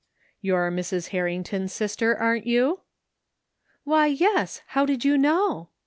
" You're Mrs. Harrington's sister, aren't you? "" Why yes, how did you know?